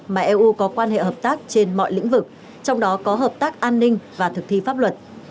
mà eu có quan hệ hợp tác trên mọi lĩnh vực trong đó có hợp tác an ninh và thực thi pháp luật